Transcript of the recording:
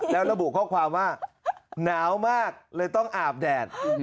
แล้วระบุข้อความว่าหนาวมากเลยต้องอาบแดด